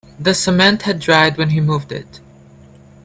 The cement had dried when he moved it.